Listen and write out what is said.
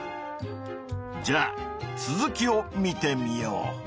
じゃあ続きを見てみよう。